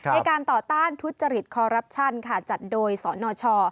ในการต่อต้านทุจริตคอรัปชั่นค่ะจัดโดยสนช